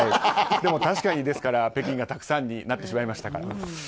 でも、確かに北京がたくさんになってしまいました。